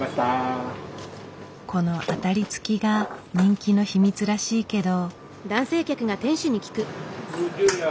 このアタリ付きが人気の秘密らしいけど。